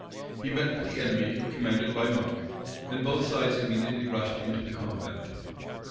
He met with the enemy, commanded by Monk; and both sides immediately rushed into the combat.